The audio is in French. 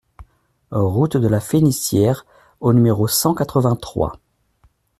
Route de la Fénicière au numéro cent quatre-vingt-trois